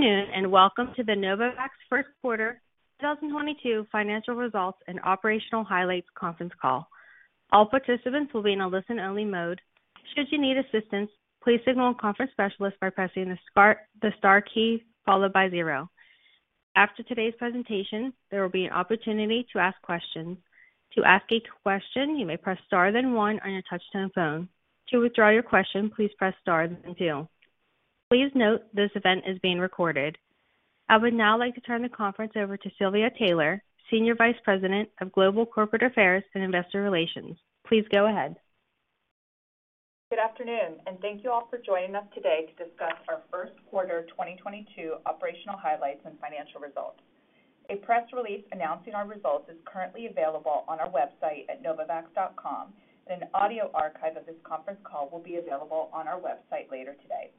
Good afternoon, and welcome to the Novavax First Quarter 2022 Financial Results and Operational Highlights conference call. All participants will be in a listen-only mode. Should you need assistance, please signal a conference specialist by pressing the star, the star key followed by zero. After today's presentation, there will be an opportunity to ask questions. To ask a question, you may press star then one on your touch-tone phone. To withdraw your question, please press star then two. Please note this event is being recorded. I would now like to turn the conference over to Silvia Taylor, Senior Vice President of Global Corporate Affairs and Investor Relations. Please go ahead. Good afternoon, and thank you all for joining us today to discuss our first quarter 2022 operational highlights and financial results. A press release announcing our results is currently available on our website at novavax.com. An audio archive of this conference call will be available on our website later today.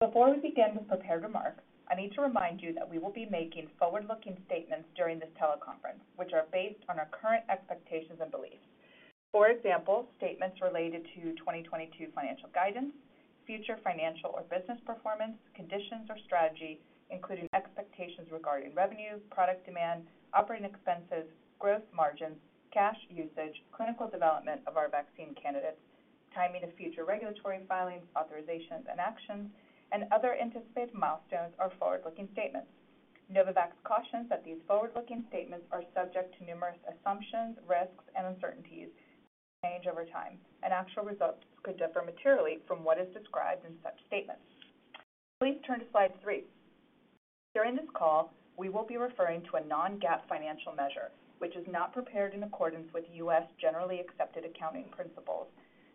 Before we begin the prepared remarks, I need to remind you that we will be making forward-looking statements during this teleconference, which are based on our current expectations and beliefs. For example, statements related to 2022 financial guidance, future financial or business performance, conditions or strategy, including expectations regarding revenues, product demand, operating expenses, growth margins, cash usage, clinical development of our vaccine candidates, timing of future regulatory filings, authorizations, and actions, and other anticipated milestones are forward-looking statements. Novavax cautions that these forward-looking statements are subject to numerous assumptions, risks, and uncertainties, which change over time, and actual results could differ materially from what is described in such statements. Please turn to slide three. During this call, we will be referring to a non-GAAP financial measure, which is not prepared in accordance with U.S. generally accepted accounting principles.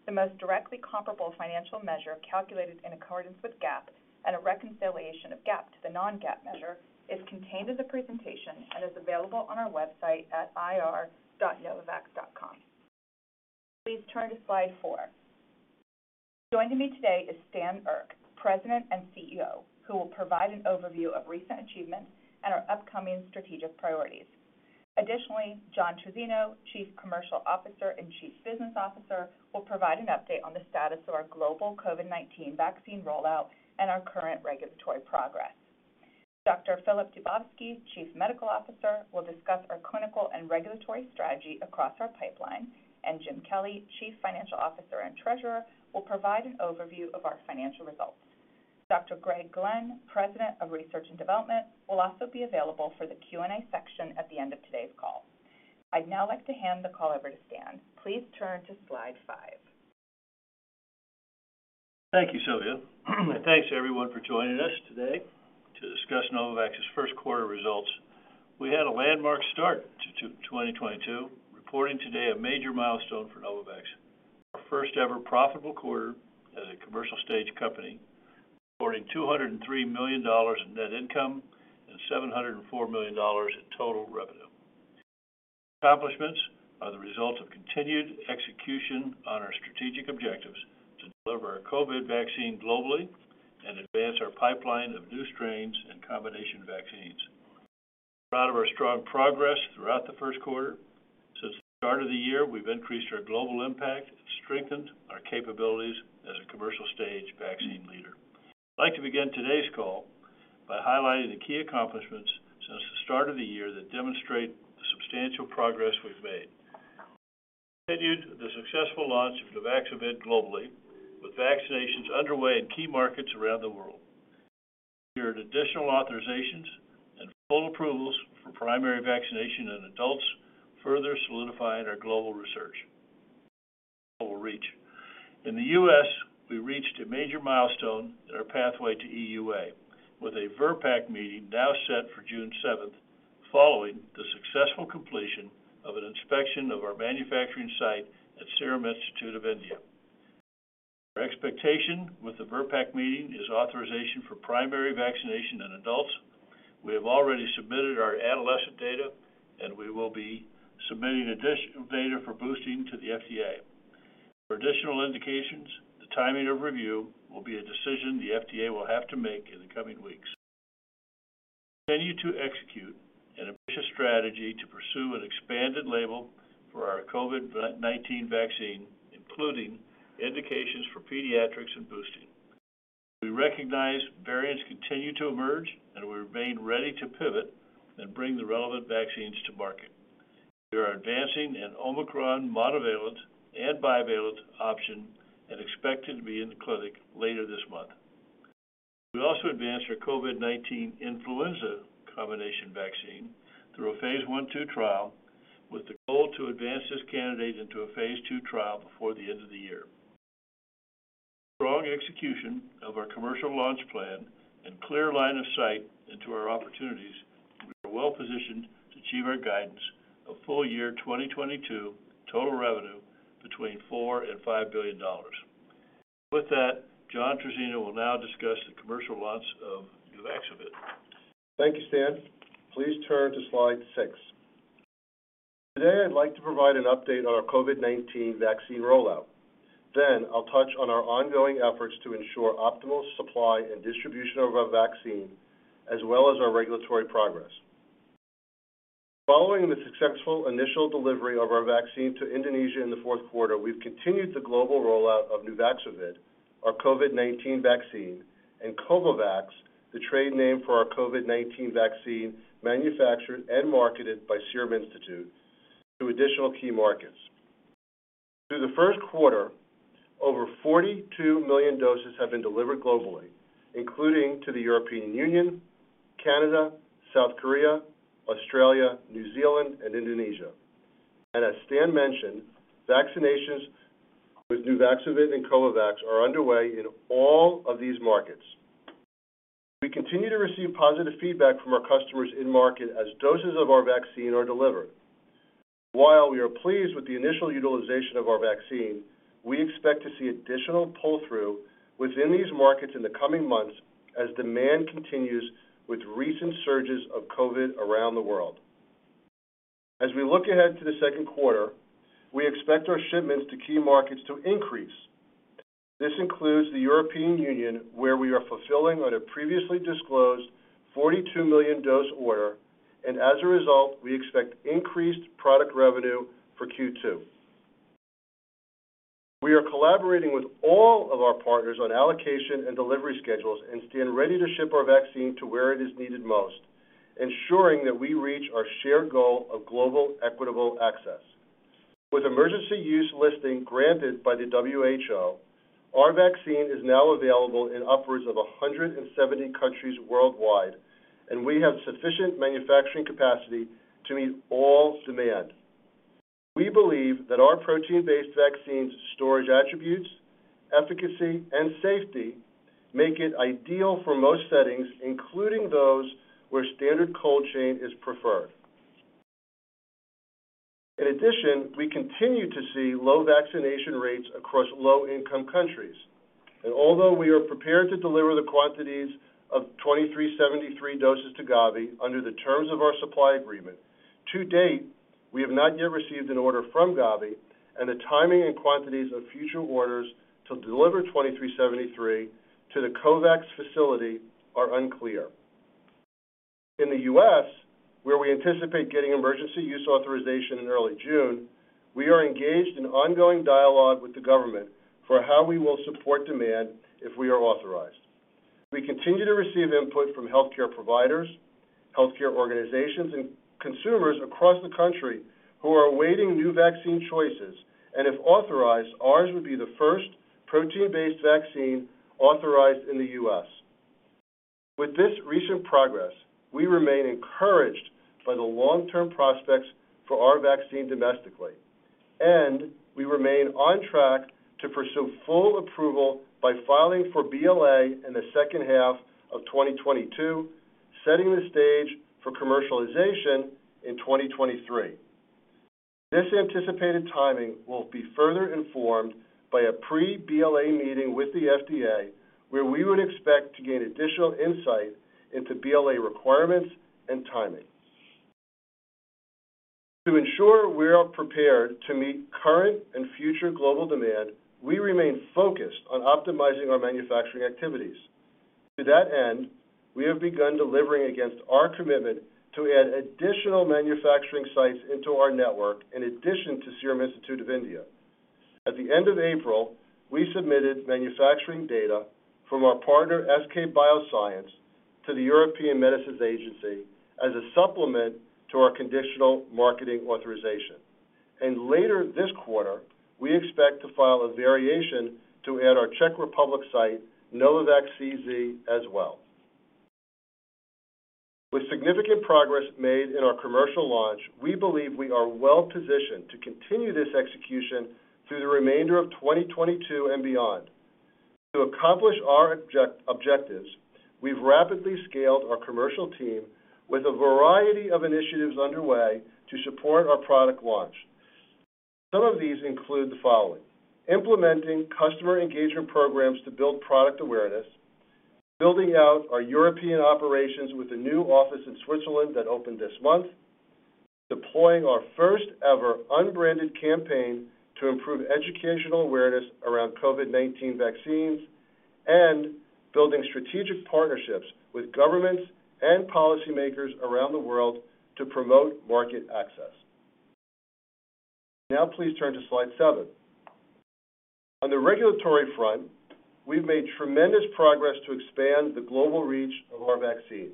The most directly comparable financial measure calculated in accordance with GAAP and a reconciliation of GAAP to the non-GAAP measure is contained in the presentation and is available on our website at ir.novavax.com. Please turn to slide four. Joining me today is Stan Erck, President and CEO, who will provide an overview of recent achievements and our upcoming strategic priorities. Additionally, John Trizzino, Chief Commercial Officer and Chief Business Officer, will provide an update on the status of our global COVID-19 vaccine rollout and our current regulatory progress. Dr. Filip Dubovsky, Chief Medical Officer, will discuss our clinical and regulatory strategy across our pipeline, and Jim Kelly, Chief Financial Officer and Treasurer, will provide an overview of our financial results. Dr. Greg Glenn, President of Research and Development, will also be available for the Q&A section at the end of today's call. I'd now like to hand the call over to Stan. Please turn to slide five. Thank you, Silvia. Thanks everyone for joining us today to discuss Novavax's first quarter results. We had a landmark start to twenty twenty-two, reporting today a major milestone for Novavax, our first ever profitable quarter as a commercial stage company, reporting $203 million in net income and $704 million in total revenue. Accomplishments are the result of continued execution on our strategic objectives to deliver our COVID vaccine globally and advance our pipeline of new strains and combination vaccines. We're proud of our strong progress throughout the first quarter. Since the start of the year, we've increased our global impact and strengthened our capabilities as a commercial stage vaccine leader. I'd like to begin today's call by highlighting the key accomplishments since the start of the year that demonstrate the substantial progress we've made. We continued the successful launch of Nuvaxovid globally, with vaccinations underway in key markets around the world. We secured additional authorizations and full approvals for primary vaccination in adults, further solidifying our global reach. In the U.S., we reached a major milestone in our pathway to EUA, with a VRBPAC meeting now set for June 7th, following the successful completion of an inspection of our manufacturing site at Serum Institute of India. Our expectation with the VRBPAC meeting is authorization for primary vaccination in adults. We have already submitted our adolescent data, and we will be submitting additional data for boosting to the FDA. For additional indications, the timing of review will be a decision the FDA will have to make in the coming weeks. We continue to execute an ambitious strategy to pursue an expanded label for our COVID-19 vaccine, including indications for pediatrics and boosting. We recognize variants continue to emerge, and we remain ready to pivot and bring the relevant vaccines to market. We are advancing an Omicron monovalent and bivalent option and expect it to be in the clinic later this month. We also advanced our COVID-19 influenza combination vaccine through a phase I, II trial, with the goal to advance this candidate into a phase II trial before the end of the year. Strong execution of our commercial launch plan and clear line of sight into our opportunities, we are well-positioned to achieve our guidance of full-year 2022 total revenue between $4 billion and $5 billion. With that, John Trizzino will now discuss the commercial launch of Nuvaxovid. Thank you, Stan. Please turn to slide six. Today, I'd like to provide an update on our COVID-19 vaccine rollout. I'll touch on our ongoing efforts to ensure optimal supply and distribution of our vaccine, as well as our regulatory progress. Following the successful initial delivery of our vaccine to Indonesia in the fourth quarter, we've continued the global rollout of Nuvaxovid, our COVID-19 vaccine, and Covovax, the trade name for our COVID-19 vaccine manufactured and marketed by Serum Institute to additional key markets. Through the first quarter, over 42 million doses have been delivered globally, including to the European Union, Canada, South Korea, Australia, New Zealand and Indonesia. As Stan mentioned, vaccinations with Nuvaxovid and Covovax are underway in all of these markets. We continue to receive positive feedback from our customers in market as doses of our vaccine are delivered. While we are pleased with the initial utilization of our vaccine, we expect to see additional pull-through within these markets in the coming months as demand continues with recent surges of COVID around the world. As we look ahead to the second quarter, we expect our shipments to key markets to increase. This includes the European Union, where we are fulfilling on a previously disclosed 42 million dose order. As a result, we expect increased product revenue for Q2. We are collaborating with all of our partners on allocation and delivery schedules and stand ready to ship our vaccine to where it is needed most, ensuring that we reach our shared goal of global equitable access. With emergency use listing granted by the WHO, our vaccine is now available in upwards of 170 countries worldwide, and we have sufficient manufacturing capacity to meet all demand. We believe that our protein-based vaccine's storage attributes, efficacy, and safety make it ideal for most settings, including those where standard cold chain is preferred. In addition, we continue to see low vaccination rates across low-income countries. Although we are prepared to deliver the quantities of 2373 doses to Gavi under the terms of our supply agreement, to date, we have not yet received an order from Gavi, and the timing and quantities of future orders to deliver 2373 to the COVAX facility are unclear. In the U.S., where we anticipate getting emergency use authorization in early June, we are engaged in ongoing dialogue with the government for how we will support demand if we are authorized. We continue to receive input from healthcare providers, healthcare organizations, and consumers across the country who are awaiting new vaccine choices. If authorized, ours would be the first protein-based vaccine authorized in the U.S. With this recent progress, we remain encouraged by the long-term prospects for our vaccine domestically, and we remain on track to pursue full approval by filing for BLA in the second half of 2022, setting the stage for commercialization in 2023. This anticipated timing will be further informed by a pre-BLA meeting with the FDA, where we would expect to gain additional insight into BLA requirements and timing. To ensure we are prepared to meet current and future global demand, we remain focused on optimizing our manufacturing activities. To that end, we have begun delivering against our commitment to add additional manufacturing sites into our network in addition to Serum Institute of India. At the end of April, we submitted manufacturing data from our partner, SK bioscience, to the European Medicines Agency as a supplement to our conditional Marketing Authorization. Later this quarter, we expect to file a variation to add our Czech Republic site, Novavax CZ, as well. With significant progress made in our commercial launch, we believe we are well-positioned to continue this execution through the remainder of 2022 and beyond. To accomplish our objectives, we've rapidly scaled our commercial team with a variety of initiatives underway to support our product launch. Some of these include the following. Implementing customer engagement programs to build product awareness, building out our European operations with a new office in Switzerland that opened this month, deploying our first ever unbranded campaign to improve educational awareness around COVID-19 vaccines, and building strategic partnerships with governments and policymakers around the world to promote market access. Now please turn to slide seven. On the regulatory front, we've made tremendous progress to expand the global reach of our vaccine.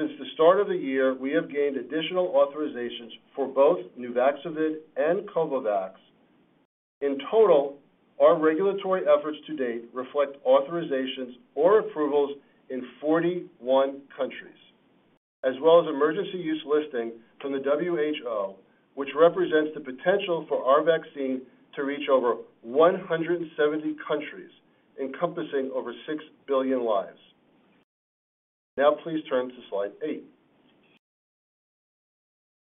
Since the start of the year, we have gained additional authorizations for both Nuvaxovid and Covovax. In total, our regulatory efforts to date reflect authorizations or approvals in 41 countries, as well as emergency use listing from the WHO, which represents the potential for our vaccine to reach over 170 countries encompassing over 6 billion lives. Now please turn to slide eight.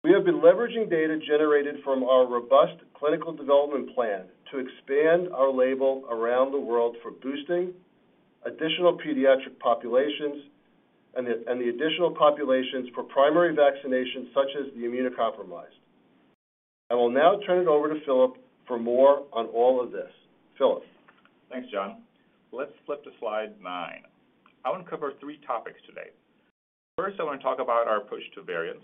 We have been leveraging data generated from our robust clinical development plan to expand our label around the world for boosting additional pediatric populations and the additional populations for primary vaccinations such as the immunocompromised. I will now turn it over to Filip for more on all of this. Filip. Thanks, John. Let's flip to slide nine. I want to cover three topics today. First, I want to talk about our push to variants.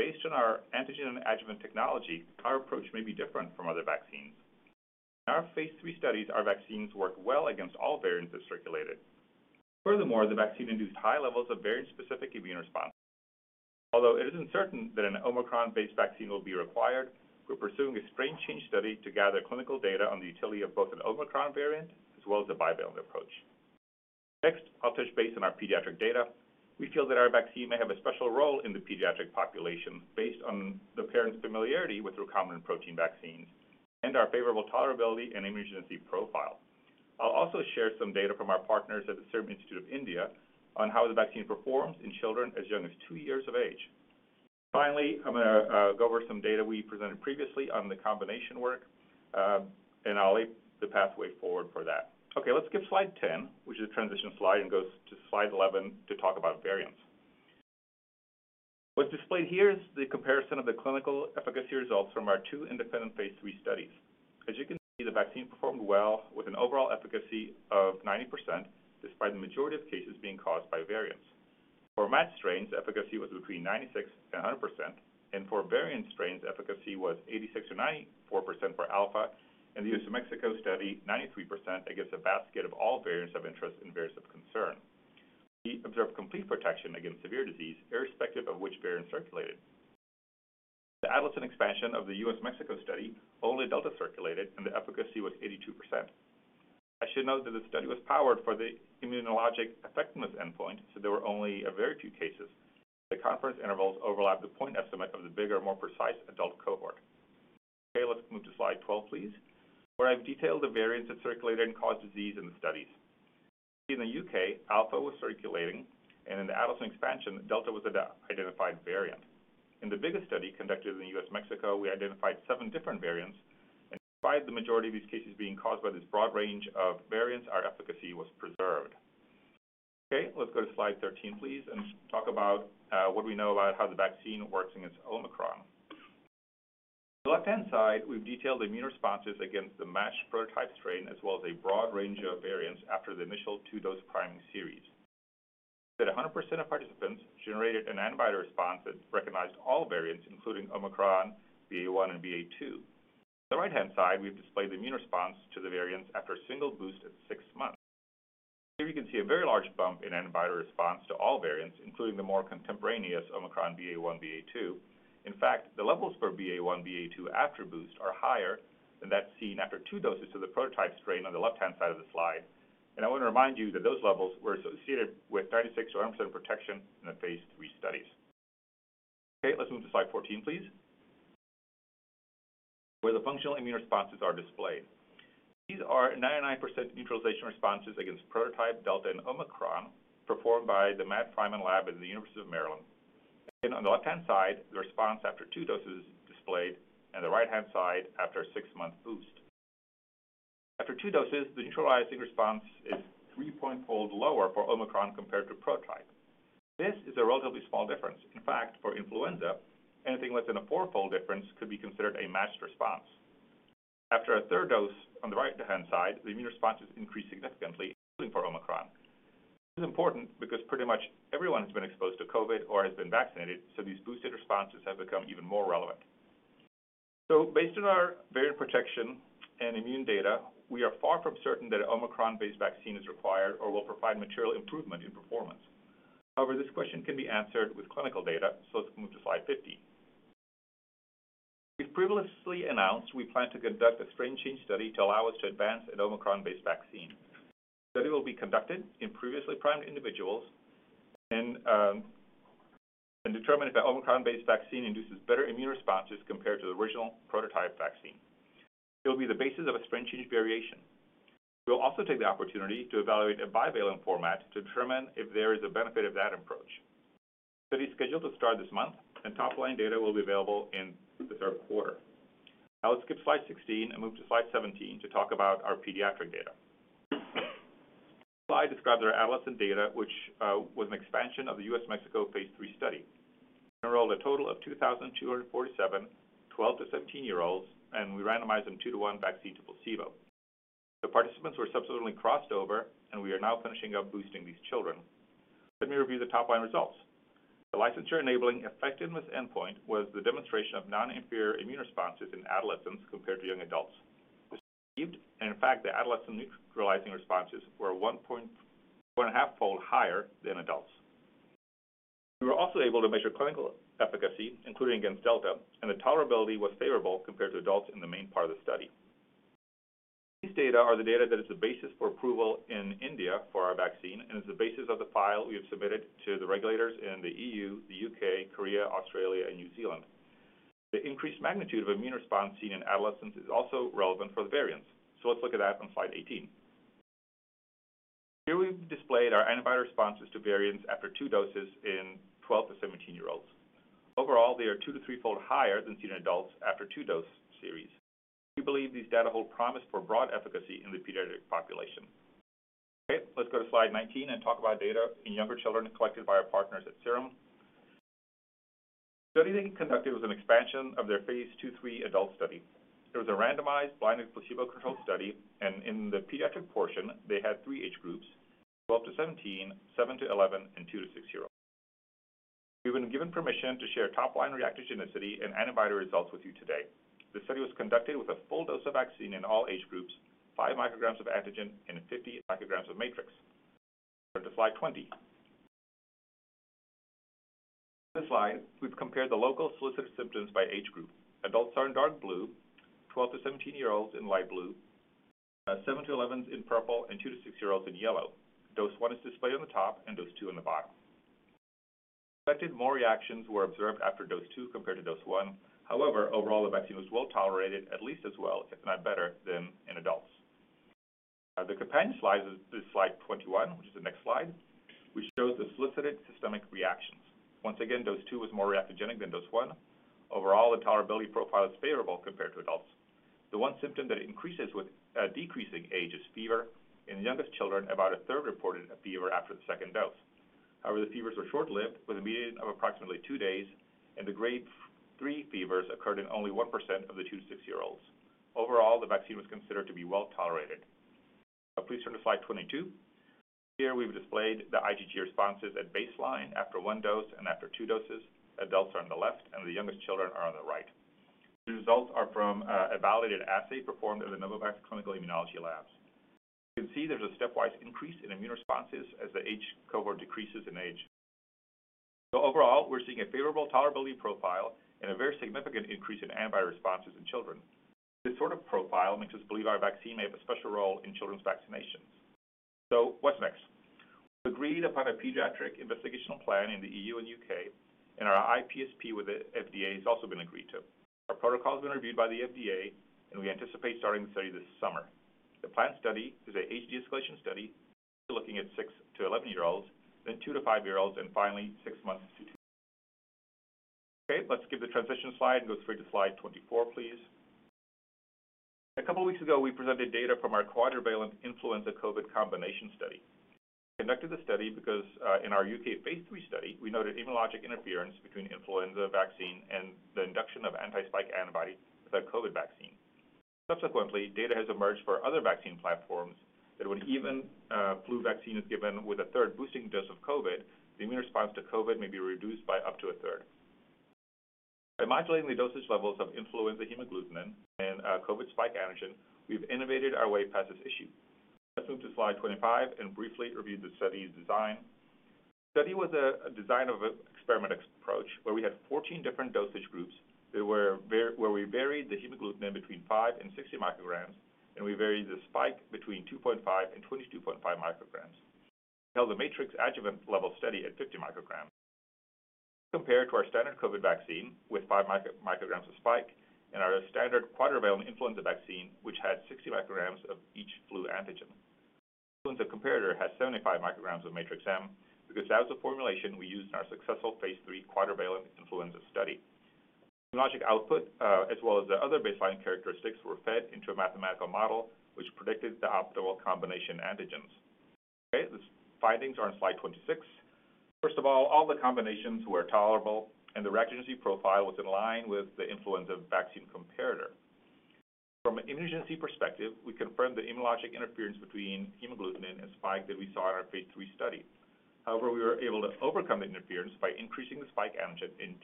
Based on our antigen adjuvant technology, our approach may be different from other vaccines. In our phase III studies, our vaccines work well against all variants that circulated. Furthermore, the vaccine induced high levels of variant-specific immune response. Although it isn't certain that an Omicron-based vaccine will be required, we're pursuing a strain change study to gather clinical data on the utility of both an Omicron variant as well as a bivalent approach. Next, I'll touch base on our pediatric data. We feel that our vaccine may have a special role in the pediatric population based on the parents' familiarity with recombinant protein vaccines and our favorable tolerability and immunogenicity profile. I'll also share some data from our partners at the Serum Institute of India on how the vaccine performs in children as young as two years of age. Finally, I'm gonna go over some data we presented previously on the combination work, and I'll lay the pathway forward for that. Okay, let's skip slide 10, which is a transition slide, and go to slide 11 to talk about variants. What's displayed here is the comparison of the clinical efficacy results from our two independent phase III studies. As you can see, the vaccine performed well with an overall efficacy of 90% despite the majority of cases being caused by variants. For matched strains, efficacy was 96%-100%, and for variant strains, efficacy was 86%-94% for Alpha, and the US-Mexico study, 93% against a basket of all variants of interest and variants of concern. We observed complete protection against severe disease irrespective of which variant circulated. In the adolescent expansion of the US-Mexico study, only Delta circulated, and the efficacy was 82%. I should note that the study was powered for the immunogenicity endpoint, so there were only a very few cases. The confidence intervals overlap the point estimate of the bigger, more precise adult cohort. Okay, let's move to slide 12, please, where I've detailed the variants that circulated and caused disease in the studies. In the U.K., Alpha was circulating, and in the adolescent expansion, Delta was the identified variant. In the biggest study conducted in the U.S.-Mexico, we identified seven different variants, and despite the majority of these cases being caused by this broad range of variants, our efficacy was preserved. Okay, let's go to slide 13, please, and talk about what we know about how the vaccine works against Omicron. On the left-hand side, we've detailed immune responses against the matched prototype strain as well as a broad range of variants after the initial two-dose priming series. At 100% of participants generated an antibody response that recognized all variants, including Omicron, BA.1 and BA.2. On the right-hand side, we've displayed the immune response to the variants after a single boost at six months. Here you can see a very large bump in antibody response to all variants, including the more contemporaneous Omicron BA.1/BA.2. In fact, the levels for BA.1/BA.2 after boost are higher than that seen after two doses of the prototype strain on the left-hand side of the slide. I want to remind you that those levels were associated with 96%-100% protection in the phase III studies. Okay, let's move to slide 14, please, where the functional immune responses are displayed. These are 99% neutralization responses against prototype Delta and Omicron performed by the Matt Frieman Lab at the University of Maryland. Again, on the left-hand side, the response after two doses displayed, and the right-hand side after a six-month boost. After two doses, the neutralizing response is threefold lower for Omicron compared to prototype. This is a relatively small difference. In fact, for influenza, anything less than a four-fold difference could be considered a matched response. After a third dose on the right-hand side, the immune response is increased significantly, including for Omicron. This is important because pretty much everyone has been exposed to COVID or has been vaccinated, so these boosted responses have become even more relevant. Based on our variant protection and immune data, we are far from certain that an Omicron-based vaccine is required or will provide material improvement in performance. However, this question can be answered with clinical data, let's move to slide 15. We've previously announced we plan to conduct a strain change study to allow us to advance an Omicron-based vaccine. The study will be conducted in previously primed individuals and determine if an Omicron-based vaccine induces better immune responses compared to the original prototype vaccine. It will be the basis of a strain change variation. We'll also take the opportunity to evaluate a bivalent format to determine if there is a benefit of that approach. Study is scheduled to start this month, and top-line data will be available in the third quarter. Now let's skip slide 16 and move to slide 17 to talk about our pediatric data. Slide describes our adolescent data, which was an expansion of the U.S.-Mexico phase III study. We enrolled a total of 2,247 12 to 17-year-olds, and we randomized them 2-to-1 vaccine to placebo. The participants were subsequently crossed over, and we are now finishing up boosting these children. Let me review the top-line results. The licensure-enabling effectiveness endpoint was the demonstration of non-inferior immune responses in adolescents compared to young adults. This was achieved, and in fact, the adolescent neutralizing responses were 1.5-fold higher than adults. We were also able to measure clinical efficacy, including against Delta, and the tolerability was favorable compared to adults in the main part of the study. These data are the data that is the basis for approval in India for our vaccine and is the basis of the file we have submitted to the regulators in the EU, the UK, Korea, Australia, and New Zealand. The increased magnitude of immune response seen in adolescents is also relevant for the variants. Let's look at that on slide 18. Here we've displayed our antibody responses to variants after two doses in 12 to 17-year-olds. Overall, they are two to three-fold higher than seen in adults after two-dose series. We believe these data hold promise for broad efficacy in the pediatric population. Okay, let's go to slide 19 and talk about data in younger children collected by our partners at Serum. The study they conducted was an expansion of their phase II/III adult study. It was a randomized, blinded, placebo-controlled study, and in the pediatric portion, they had three age groups, 12-17, seven to 11, and two to six year-olds. We've been given permission to share top-line reactogenicity and antibody results with you today. The study was conducted with a full dose of vaccine in all age groups, 5 mcg of antigen and 50 mcg of matrix. Go to slide 20. In this slide, we've compared the local solicited symptoms by age group. Adults are in dark blue, 12-17-year-olds in light blue, seven to 11s in purple, and two to six year-olds in yellow. Dose 1 is displayed on the top and dose 2 on the bottom. As expected, more reactions were observed after dose 2 compared to dose 1. However, overall, the vaccine was well-tolerated, at least as well, if not better than in adults. The companion slide is slide 21, which is the next slide, which shows the solicited systemic reactions. Once again, dose 2 was more reactogenic than dose 1. Overall, the tolerability profile is favorable compared to adults. The one symptom that increases with decreasing age is fever. In the youngest children, about a third reported a fever after the second dose. However, the fevers were short-lived with a median of approximately two days, and the grade three fevers occurred in only 1% of the two to six year-olds. Overall, the vaccine was considered to be well-tolerated. Please turn to slide 22. Here we've displayed the IGG responses at baseline after one dose and after two doses. Adults are on the left, and the youngest children are on the right. The results are from a validated assay performed at the Novavax clinical immunology labs. You can see there's a stepwise increase in immune responses as the age cohort decreases in age. Overall, we're seeing a favorable tolerability profile and a very significant increase in antibody responses in children. This sort of profile makes us believe our vaccine may have a special role in children's vaccinations. What's next? We've agreed upon a pediatric investigational plan in the EU and UK, and our iPSP with the FDA has also been agreed to. Our protocol has been reviewed by the FDA, and we anticipate starting the study this summer. The planned study is an age de-escalation study, looking at six to 11-year-olds, then two to five year-olds. Okay, let's skip the transition slide and go straight to slide 24, please. A couple of weeks ago, we presented data from our quadrivalent influenza COVID combination study. We conducted the study because in our UK phase III study, we noted immunologic interference between influenza vaccine and the induction of anti-spike antibody with the COVID vaccine. Subsequently, data has emerged for other vaccine platforms that when even flu vaccine is given with a third boosting dose of COVID, the immune response to COVID may be reduced by up to a third. By modulating the dosage levels of influenza hemagglutinin and COVID spike antigen, we've innovated our way past this issue. Let's move to slide 25 and briefly review the study's design. The study was a design of experiment approach where we had 14 different dosage groups where we varied the hemagglutinin between 5 mcg and 60 mcg, and we varied the spike between 2.5 mcg and 22.5 mcg. Now, the Matrix-M adjuvant level study at 50 mcg compared to our standard COVID vaccine with 5 mcg of spike and our standard quadrivalent influenza vaccine, which had 60 mcg of each flu antigen. Influenza comparator has 75 mcg of Matrix-M because that was the formulation we used in our successful phase III quadrivalent influenza study. Immunologic output, as well as the other baseline characteristics, were fed into a mathematical model, which predicted the optimal combination antigens. Okay, the findings are on slide 26. First of all the combinations were tolerable, and the reactogenicity profile was in line with the influenza vaccine comparator. From an immunogenicity perspective, we confirmed the immunologic interference between hemagglutinin and spike that we saw in our phase III study. However, we were able to overcome the interference by increasing the spike antigen.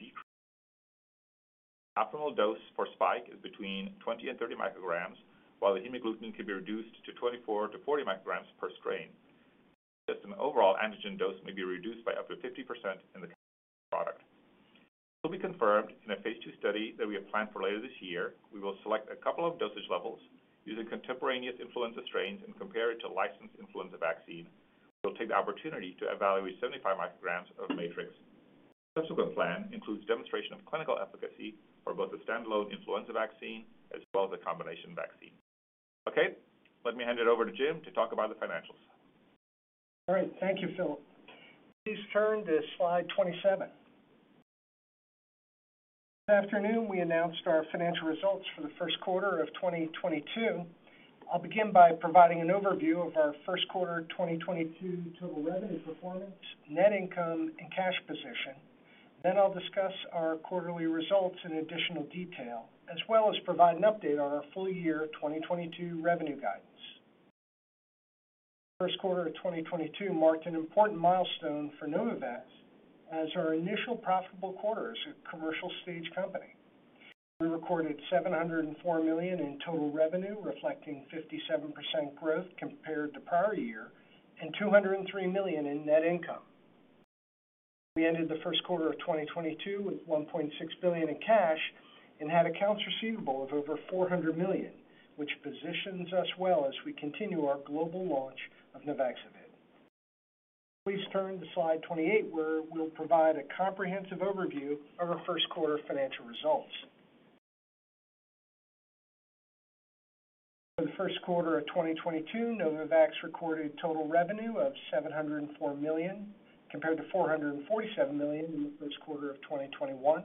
Optimal dose for spike is between 20 mcg and 30 mcg, while the hemagglutinin can be reduced to 24 mcg-40 mcg per strain. Just an overall antigen dose may be reduced by up to 50% in the product. This will be confirmed in a phase II study that we have planned for later this year. We will select a couple of dosage levels using contemporaneous influenza strains and compare it to licensed influenza vaccine. We'll take the opportunity to evaluate 75 mcg of matrix. Subsequent plan includes demonstration of clinical efficacy for both the standalone influenza vaccine as well as a combination vaccine. Okay, let me hand it over to Jim to talk about the financials. All right. Thank you, Filip. Please turn to slide 27. This afternoon, we announced our financial results for the first quarter of 2022. I'll begin by providing an overview of our first quarter 2022 total revenue performance, net income, and cash position. Then I'll discuss our quarterly results in additional detail as well as provide an update on our full year 2022 revenue guidance. First quarter of 2022 marked an important milestone for Novavax as our initial profitable quarter as a commercial stage company. We recorded $704 million in total revenue, reflecting 57% growth compared to prior year and $203 million in net income. We ended the first quarter of 2022 with $1.6 billion in cash and had accounts receivable of over $400 million, which positions us well as we continue our global launch of Nuvaxovid. Please turn to slide 28, where we'll provide a comprehensive overview of our first quarter financial results. For the first quarter of 2022, Novavax recorded total revenue of $704 million, compared to $447 million in the first quarter of 2021.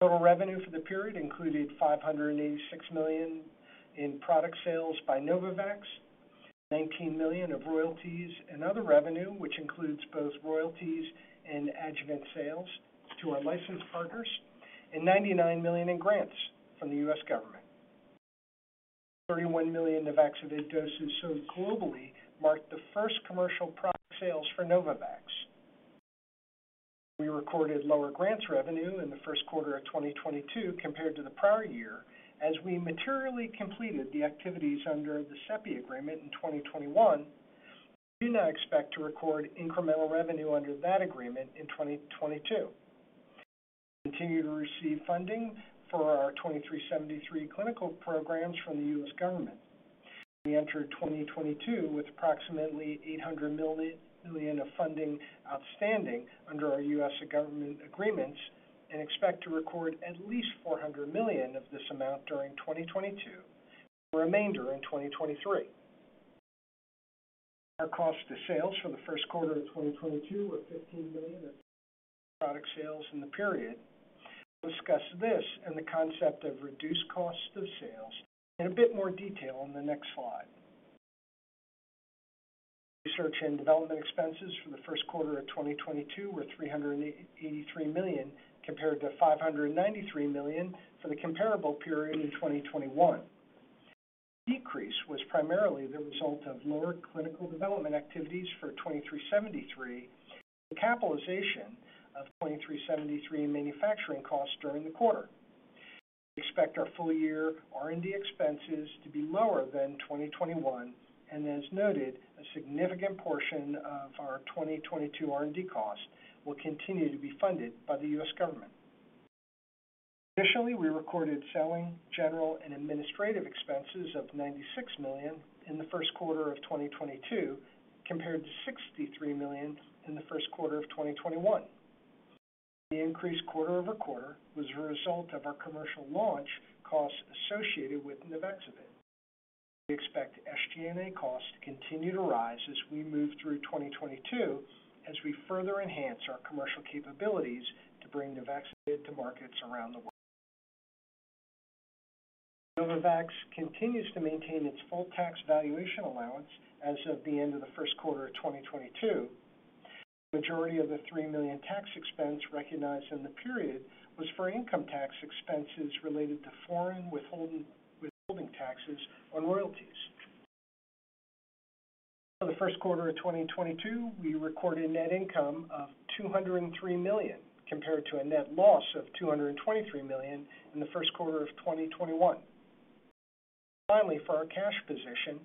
Total revenue for the period included $586 million in product sales by Novavax, $19 million of royalties and other revenue, which includes both royalties and adjuvant sales to our licensed partners, and $99 million in grants from the US government. 31 million of Nuvaxovid doses sold globally marked the first commercial product sales for Novavax. We recorded lower grants revenue in the first quarter of 2022 compared to the prior year. As we materially completed the activities under the CEPI agreement in 2021, we do not expect to record incremental revenue under that agreement in 2022. We continue to receive funding for our 2373 clinical programs from the U.S. government. We entered 2022 with approximately $800 million of funding outstanding under our U.S. government agreements and expect to record at least $400 million of this amount during 2022 and the remainder in 2023. Our cost of sales for the first quarter of 2022 were $15 million of product sales in the period. I'll discuss this and the concept of reduced cost of sales in a bit more detail in the next slide. Research and development expenses for the first quarter of 2022 were $383 million, compared to $593 million for the comparable period in 2021. The decrease was primarily the result of lower clinical development activities for NVX-CoV2373 and the capitalization of NVX-CoV2373 manufacturing costs during the quarter. We expect our full year R&D expenses to be lower than 2021, and as noted, a significant portion of our 2022 R&D costs will continue to be funded by the U.S. government. Additionally, we recorded selling, general and administrative expenses of $96 million in the first quarter of 2022, compared to $63 million in the first quarter of 2021. The increase quarter-over-quarter was a result of our commercial launch costs associated with Nuvaxovid. We expect SG&A costs to continue to rise as we move through 2022 as we further enhance our commercial capabilities to bring Nuvaxovid to markets around the world. Novavax continues to maintain its full tax valuation allowance as of the end of the first quarter of 2022. The majority of the $3 million tax expense recognized in the period was for income tax expenses related to foreign withholding taxes on royalties. For the first quarter of 2022, we recorded net income of $203 million, compared to a net loss of $223 million in the first quarter of 2021. Finally, for our cash position,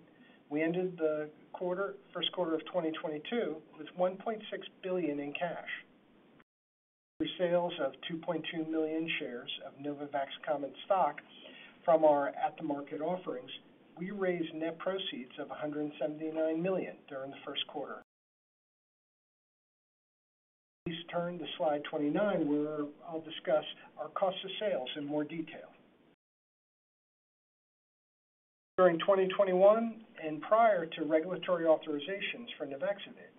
we ended the quarter, first quarter of 2022 with $1.6 billion in cash. Through sales of 2.2 million shares of Novavax common stock from our at-the-market offerings, we raised net proceeds of $179 million during the first quarter. Please turn to slide 29, where I'll discuss our cost of sales in more detail. During 2021 and prior to regulatory authorizations for Nuvaxovid,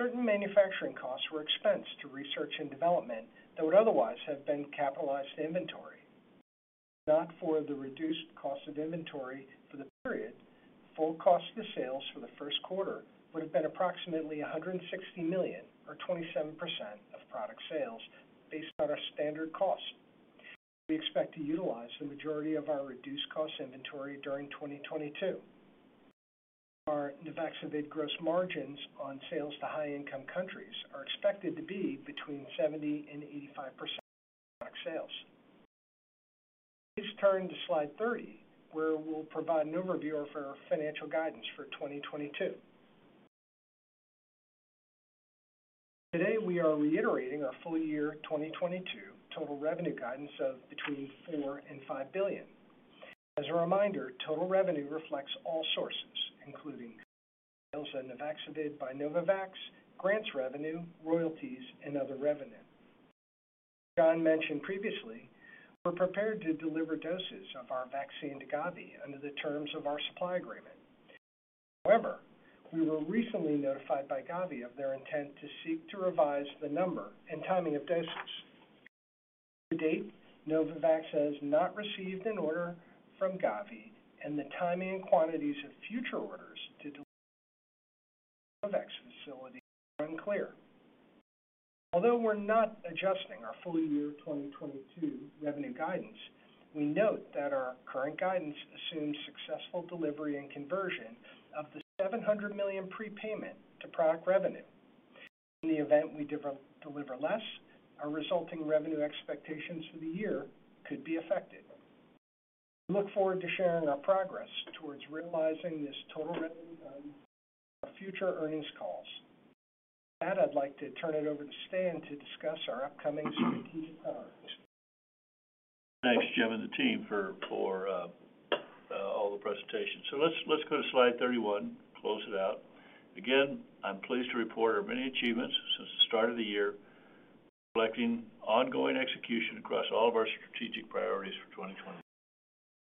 certain manufacturing costs were expensed to research and development that would otherwise have been capitalized inventory. If not for the reduced cost of inventory for the period, full cost of sales for the first quarter would have been approximately $160 million or 27% of product sales based on our standard cost. We expect to utilize the majority of our reduced cost inventory during 2022. Our Nuvaxovid gross margins on sales to high-income countries are expected to be between 70% and 85% of product sales. Please turn to slide 30, where we'll provide an overview of our financial guidance for 2022. Today, we are reiterating our full year 2022 total revenue guidance of between $4 billion and $5 billion. As a reminder, total revenue reflects all sources, including sales of Nuvaxovid by Novavax, grants revenue, royalties, and other revenue. As John mentioned previously, we're prepared to deliver doses of our vaccine to Gavi under the terms of our supply agreement. However, we were recently notified by Gavi of their intent to seek to revise the number and timing of doses. To date, Novavax has not received an order from Gavi, and the timing and quantities of future orders to deliver at Novavax facilities are unclear. Although we're not adjusting our full year 2022 revenue guidance, we note that our current guidance assumes successful delivery and conversion of the $700 million prepayment to product revenue. In the event we deliver less, our resulting revenue expectations for the year could be affected. We look forward to sharing our progress towards realizing this total revenue on our future earnings calls. With that, I'd like to turn it over to Stan to discuss our upcoming strategic priorities. Thanks, Jim and the team for all the presentations. Let's go to slide 31. Close it out. I'm pleased to report our many achievements since the start of the year, reflecting ongoing execution across all of our strategic priorities for 2022.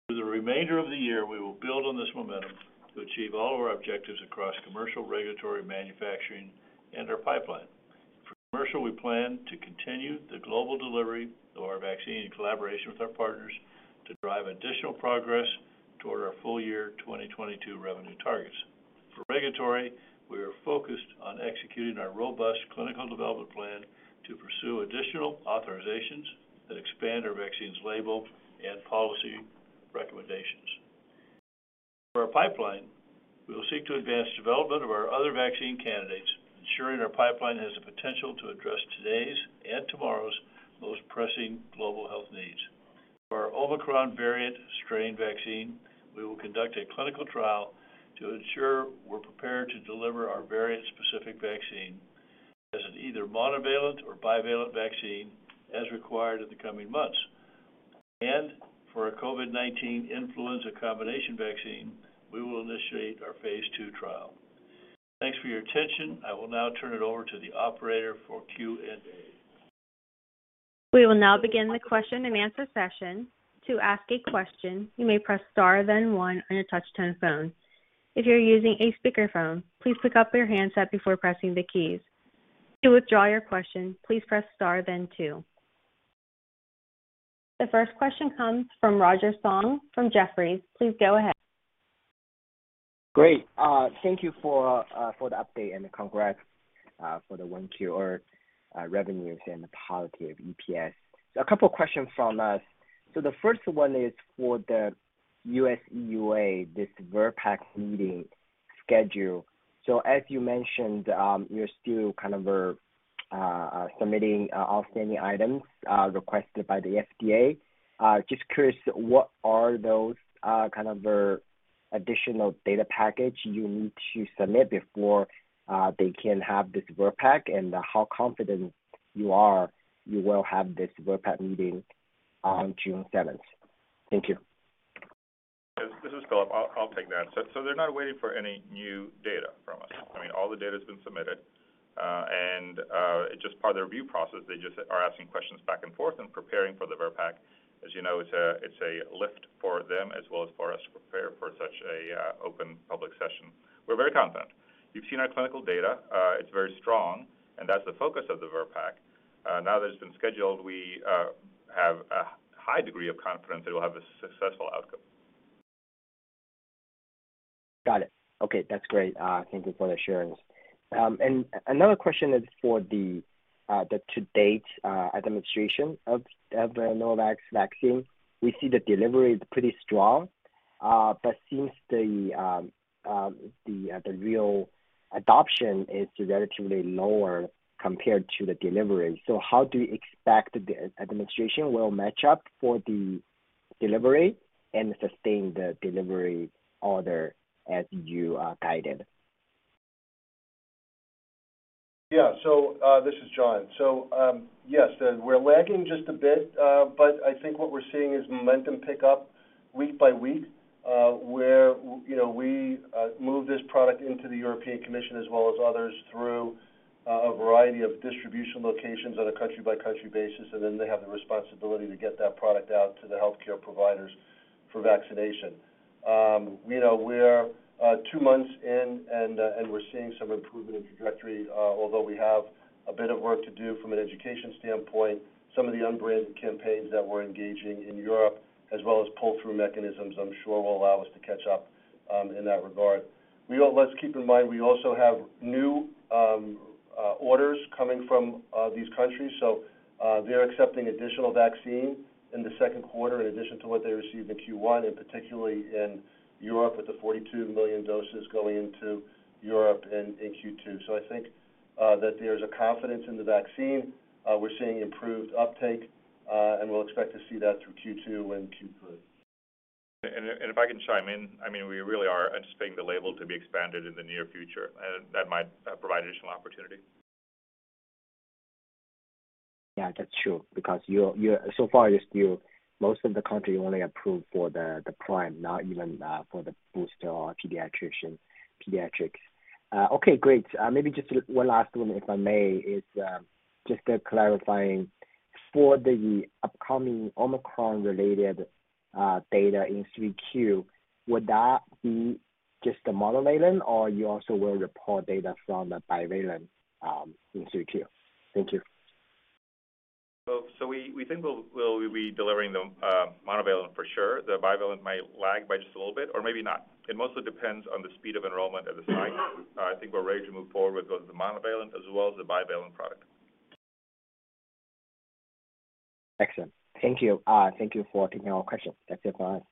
For the remainder of the year, we will build on this momentum to achieve all of our objectives across commercial, regulatory, manufacturing, and our pipeline. For commercial, we plan to continue the global delivery of our vaccine in collaboration with our partners to drive additional progress toward our full-year 2022 revenue targets. For regulatory, we are focused on executing our robust clinical development plan to pursue additional authorizations that expand our vaccine's label and policy recommendations. For our pipeline, we will seek to advance development of our other vaccine candidates, ensuring our pipeline has the potential to address today's and tomorrow's most pressing global health needs. For our Omicron variant strain vaccine, we will conduct a clinical trial to ensure we're prepared to deliver our variant-specific vaccine as an either monovalent or bivalent vaccine as required in the coming months. For our COVID-19 influenza combination vaccine, we will initiate our phase II trial. Thanks for your attention. I will now turn it over to the operator for Q&A. We will now begin the question-and-answer session. To ask a question, you may press star then one on your touch-tone phone. If you're using a speakerphone, please pick up your handset before pressing the keys. To withdraw your question, please press star then two. The first question comes from Roger Song from Jefferies. Please go ahead. Great. Thank you for the update and congrats for the 1Q revenues and the positive EPS. A couple of questions from us. The first one is for the U.S. EUA, this VRBPAC meeting schedule. As you mentioned, you're still kind of submitting outstanding items requested by the FDA. Just curious, what are those kind of the additional data package you need to submit before they can have this VRBPAC? And how confident you are you will have this VRBPAC meeting on June 7th? Thank you. This is Filip. I'll take that. They're not waiting for any new data from us. I mean, all the data has been submitted, and it's just part of their review process. They just are asking questions back and forth and preparing for the VRBPAC. As you know, it's a lift for them as well as for us to prepare for such a open public session. We're very confident. You've seen our clinical data. It's very strong, and that's the focus of the VRBPAC. Now that it's been scheduled, we have a high degree of confidence that we'll have a successful outcome. Got it. Okay. That's great. Thank you for the assurance. Another question is for the to-date administration of the Novavax vaccine. We see the delivery is pretty strong, but since the real adoption is relatively lower compared to the delivery. How do you expect the administration will match up for the delivery and sustain the delivery order as you guided? Yeah, this is John. Yes, we're lagging just a bit, but I think what we're seeing is momentum pick up week by week, where you know we move this product into the European Commission as well as others through a variety of distribution locations on a country-by-country basis, and then they have the responsibility to get that product out to the healthcare providers for vaccination. You know, we're two months in and we're seeing some improvement in trajectory, although we have a bit of work to do from an education standpoint. Some of the unbranded campaigns that we're engaging in Europe as well as pull-through mechanisms, I'm sure will allow us to catch up in that regard. Let's keep in mind, we also have new orders coming from these countries, so they're accepting additional vaccine in the second quarter in addition to what they received in Q1, and particularly in Europe with the 42 million doses going into Europe in Q2. I think that there's a confidence in the vaccine. We're seeing improved uptake, and we'll expect to see that through Q2 and Q3. If I can chime in, I mean, we really are anticipating the label to be expanded in the near future, and that might provide additional opportunity. Yeah, that's true because you're so far, you're still most of the country only approved for the prime, not even for the booster or pediatrics. Okay, great. Maybe just one last one, if I may. It's just clarifying for the upcoming Omicron-related data in 3Q, would that be just the monovalent or you also will report data from the bivalent in 3Q? Thank you. We think we'll be delivering the monovalent for sure. The bivalent might lag by just a little bit or maybe not. It mostly depends on the speed of enrollment of the site. I think we're ready to move forward with both the monovalent as well as the bivalent product. Excellent. Thank you. Thank you for taking our questions. That's it for now.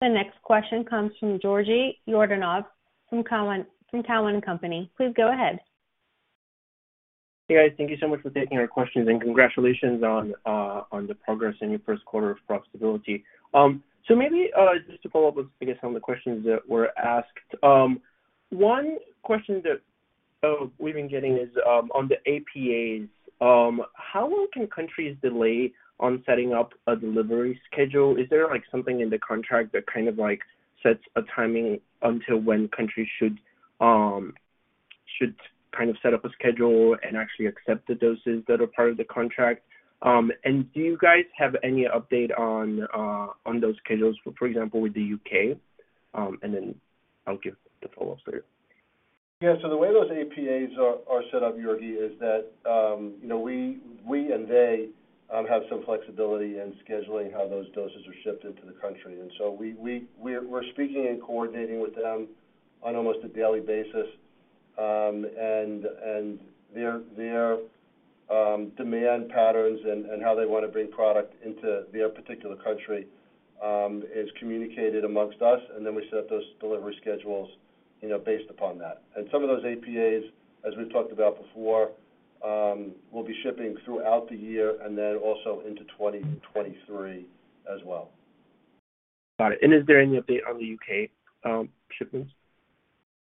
The next question comes from Georgi Yordanov from Cowen, from Cowen and Company. Please go ahead. Hey, guys. Thank you so much for taking our questions and congratulations on the progress in your first quarter of profitability. So maybe just to follow up with, I guess, on the questions that were asked. One question that we've been getting is on the APAs. How long can countries delay on setting up a delivery schedule? Is there like something in the contract that kind of like sets a timing until when countries should ,should kind of set up a schedule and actually accept the doses that are part of the contract. Do you guys have any update on those schedules, for example, with the UK? I'll give the follow-up later. Yeah. The way those APAs are set up, Georgi, is that, you know, we and they have some flexibility in scheduling how those doses are shipped into the country. We're speaking and coordinating with them on almost a daily basis, and their demand patterns and how they want to bring product into their particular country is communicated amongst us, and then we set those delivery schedules, you know, based upon that. Some of those APAs, as we've talked about before, will be shipping throughout the year and then also into 2023 as well. Got it. Is there any update on the U.K. shipments?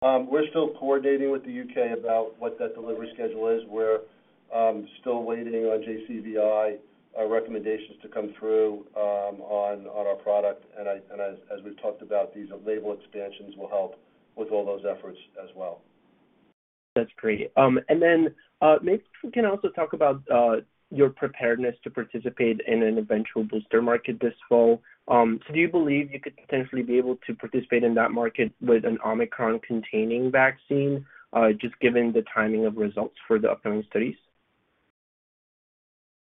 We're still coordinating with the UK about what that delivery schedule is. We're still waiting on JCVI recommendations to come through on our product. As we've talked about, these label expansions will help with all those efforts as well. That's great. Maybe if we can also talk about your preparedness to participate in an eventual booster market this fall. Do you believe you could potentially be able to participate in that market with an Omicron-containing vaccine, just given the timing of results for the upcoming studies?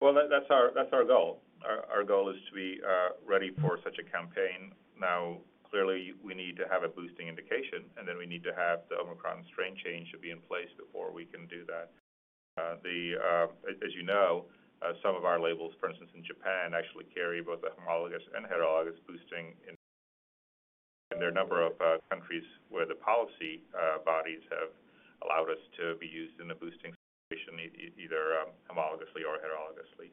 That's our goal. Our goal is to be ready for such a campaign. Now, clearly we need to have a boosting indication, and then we need to have the Omicron strain change to be in place before we can do that. Some of our labels, for instance, in Japan, actually carry both a homologous and heterologous boosting in, and there are a number of countries where the policy bodies have allowed us to be used in the boosting situation either homologously or heterologously.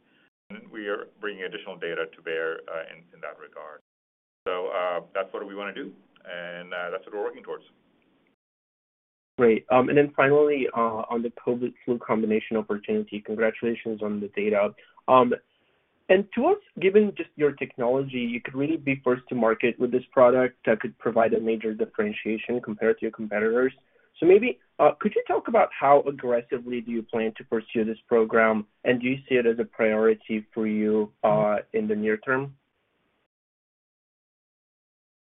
We are bringing additional data to bear in that regard. That's what we wanna do, and that's what we're working towards. Great. Finally, on the COVID flu combination opportunity, congratulations on the data. To us, given just your technology, you could really be first to market with this product. That could provide a major differentiation compared to your competitors. Maybe, could you talk about how aggressively do you plan to pursue this program, and do you see it as a priority for you, in the near term?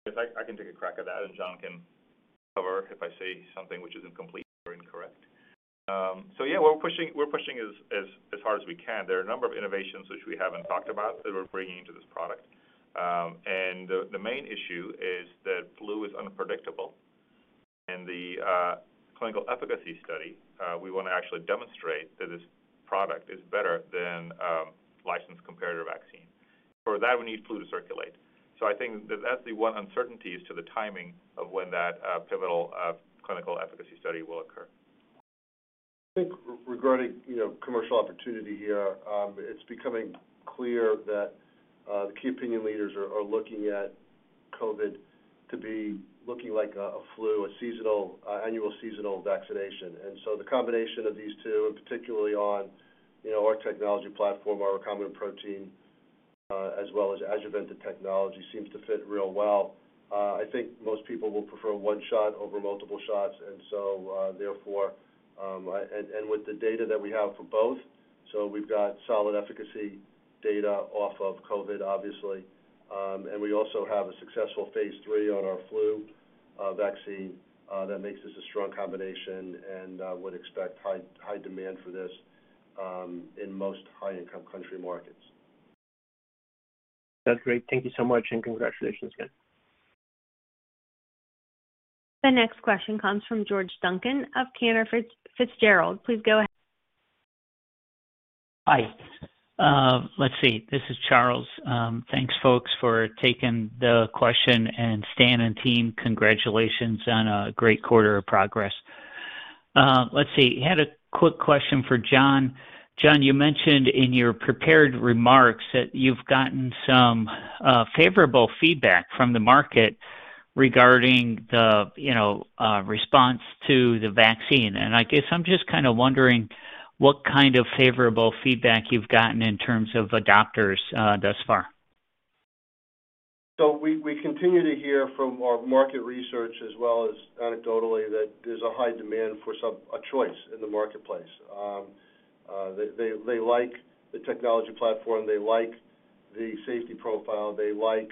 Yes, I can take a crack at that, and John can cover if I say something which is incomplete or incorrect. Yeah, we're pushing as hard as we can. There are a number of innovations which we haven't talked about that we're bringing to this product. The main issue is that flu is unpredictable. In the clinical efficacy study, we wanna actually demonstrate that this product is better than licensed comparator vaccine. For that, we need flu to circulate. I think that that's the one uncertainty as to the timing of when that pivotal clinical efficacy study will occur. I think regarding, you know, commercial opportunity here, it's becoming clear that the key opinion leaders are looking at COVID to be looking like a flu, a seasonal annual seasonal vaccination. The combination of these two, and particularly on, you know, our technology platform, our recombinant protein, as well as adjuvanted technology seems to fit real well. I think most people will prefer one shot over multiple shots. With the data that we have for both, we've got solid efficacy data off of COVID, obviously, and we also have a successful phase III on our flu vaccine that makes this a strong combination and would expect high demand for this in most high-income country markets. That's great. Thank you so much, and congratulations again. The next question comes from Charles Duncan of Cantor Fitzgerald. Please go ahead. Hi. Let's see. This is Charles. Thanks, folks, for taking the question. Stan and team, congratulations on a great quarter of progress. Let's see. Had a quick question for John. John, you mentioned in your prepared remarks that you've gotten some favorable feedback from the market regarding the response to the vaccine. I guess I'm just kind of wondering what kind of favorable feedback you've gotten in terms of adopters thus far. We continue to hear from our market research as well as anecdotally that there's a high demand for a choice in the marketplace. They like the technology platform. They like the safety profile. They like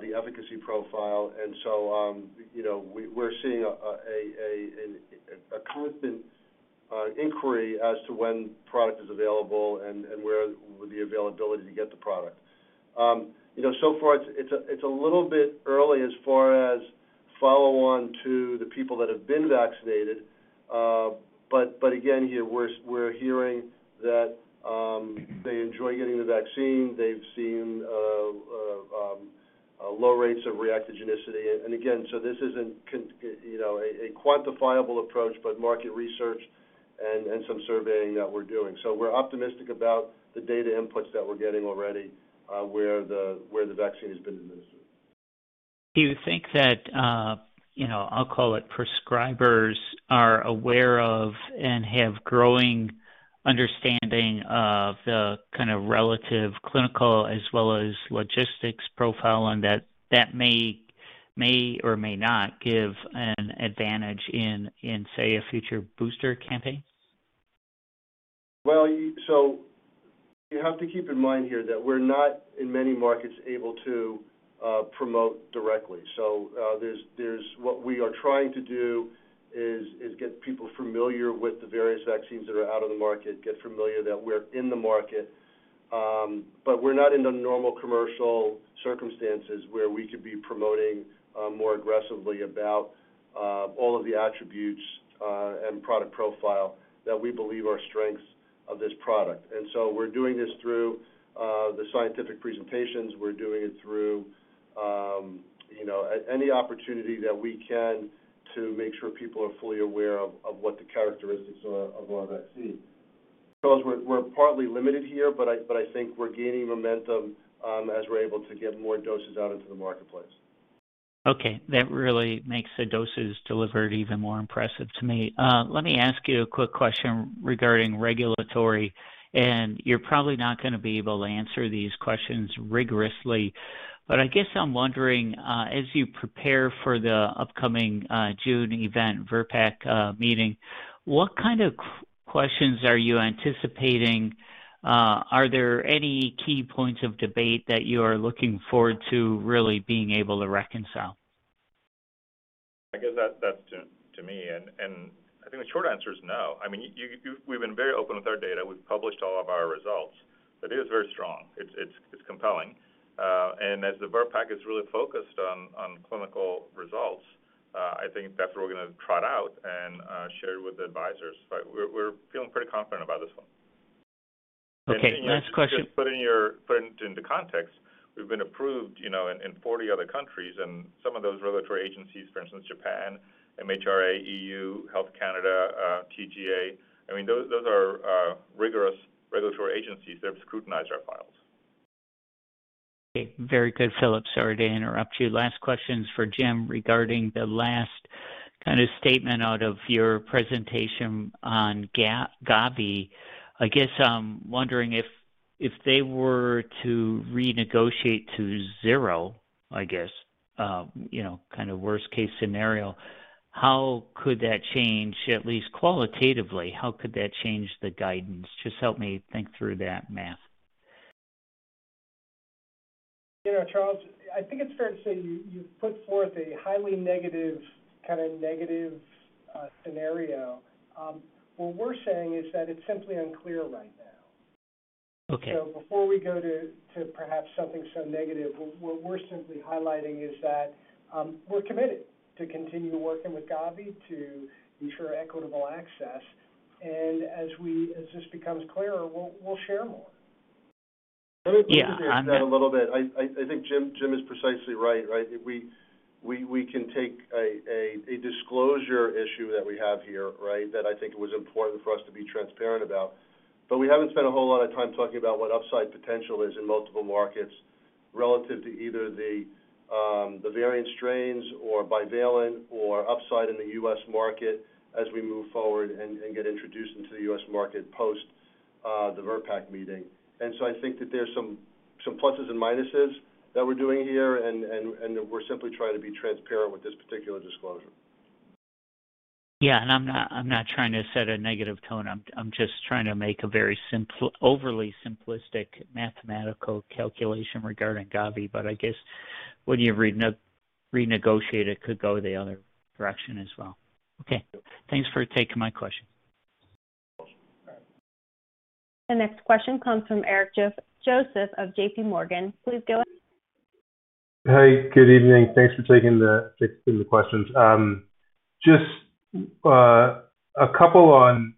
the efficacy profile. You know, we're seeing a constant inquiry as to when product is available and where would the availability to get the product. You know, so far it's a little bit early as far as follow on to the people that have been vaccinated. But again, we're hearing that they enjoy getting the vaccine. They've seen low rates of reactogenicity. This isn't a quantifiable approach, but market research and some surveying that we're doing. We're optimistic about the data inputs that we're getting already, where the vaccine has been administered. Do you think that, you know, I'll call it prescribers are aware of and have growing understanding of the kind of relative clinical as well as logistics profile and that may or may not give an advantage in, say, a future booster campaign? Well, you have to keep in mind here that we're not, in many markets, able to promote directly. What we are trying to do is get people familiar with the various vaccines that are out on the market, get familiar that we're in the market. We're not in the normal commercial circumstances where we could be promoting more aggressively about all of the attributes and product profile that we believe are strengths of this product. We're doing this through the scientific presentations. We're doing it through you know any opportunity that we can to make sure people are fully aware of what the characteristics are of our vaccine. Because we're partly limited here, but I think we're gaining momentum, as we're able to get more doses out into the marketplace. Okay. That really makes the doses delivered even more impressive to me. Let me ask you a quick question regarding regulatory, and you're probably not gonna be able to answer these questions rigorously. I guess I'm wondering, as you prepare for the upcoming June event, VRBPAC meeting, what kind of questions are you anticipating? Are there any key points of debate that you are looking forward to really being able to reconcile? I guess that's up to me. I think the short answer is no. I mean, we've been very open with our data. We've published all of our results. The data is very strong. It's compelling. As the VRBPAC is really focused on clinical results, I think that's what we're gonna trot out and share with the advisors. Like, we're feeling pretty confident about this one. Okay. Last question. Just putting it into context, we've been approved, you know, in 40 other countries and some of those regulatory agencies, for instance, Japan, MHRA, EU, Health Canada, TGA, I mean, those are rigorous regulatory agencies that have scrutinized our files. Okay. Very good, Filip. Sorry to interrupt you. Last questions for Jim regarding the last kind of statement out of your presentation on Gavi. I guess I'm wondering if they were to renegotiate to zero, I guess, you know, kind of worst-case scenario, how could that change, at least qualitatively, how could that change the guidance? Just help me think through that math. You know, Charles, I think it's fair to say you put forth a highly negative, kind of negative, scenario. What we're saying is that it's simply unclear right now. Okay. Before we go to perhaps something so negative, what we're simply highlighting is that, we're committed to continue working with Gavi to ensure equitable access. As this becomes clearer, we'll share more. Yeah, I'm. Let me put this down a little bit. I think Jim is precisely right. Right? We can take a disclosure issue that we have here, right? That I think it was important for us to be transparent about. We haven't spent a whole lot of time talking about what upside potential is in multiple markets relative to either the variant strains or bivalent or upside in the U.S. market as we move forward and we're simply trying to be transparent with this particular disclosure. Yeah. I'm not trying to set a negative tone. I'm just trying to make a very overly simplistic mathematical calculation regarding Gavi. I guess when you renegotiate, it could go the other direction as well. Okay. Thanks for taking my question. The next question comes from Eric Joseph of JPMorgan. Please go ahead. Hey, good evening. Thanks for taking the questions. Just a couple on